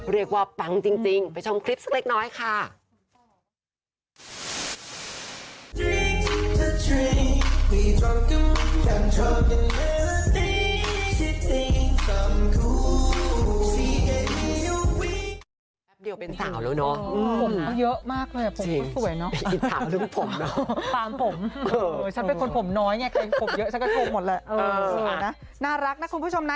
เรียกว่าปังจริงไปชมคลิปสักเล็กน้อยค่ะ